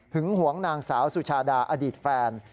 หวงนางสาวสุชาดาอดีตแฟน